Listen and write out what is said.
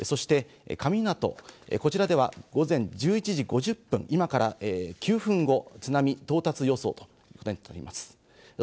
画面の八丈島八重根、そして神湊、こちらでは午前１１時５０分、今から９分後、津波到達予想ということになります。